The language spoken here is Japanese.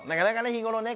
日頃ね